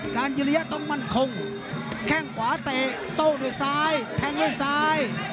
กิริยะต้องมั่นคงแข้งขวาเตะโต้ด้วยซ้ายแทงด้วยซ้าย